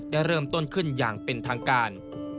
ได้เริ่มต้นขึ้นอย่างเป็นทางการ